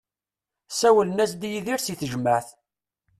Sawlen-as-d i Yidir si tejmaɛt.